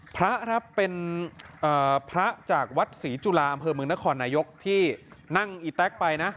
พระครับเป็นพระจากวัดศรีจุฬาอำเภอเมืองนครนายกที่นั่งอีแต๊กไปนะ